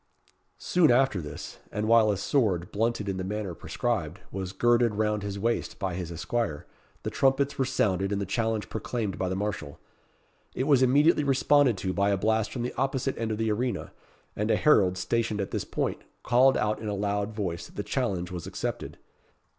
Soon after this, and while a sword, blunted in the manner prescribed, was girded round his waist by his esquire, the trumpets were sounded, and the challenge proclaimed by the marshal. It was immediately responded to by a blast from the opposite end of the arena, and a herald, stationed at this point, called out in a loud voice that the challenge was accepted.